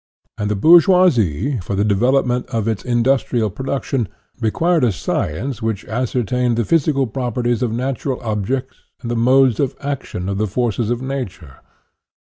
And the bourgeoisie, for the development of its industrial production, INTRODUCTION 25 required a science which ascertained the phys ical properties of natural objects and the modes of action of the forces of Nature.